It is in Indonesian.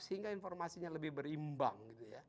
sehingga informasinya lebih berimbang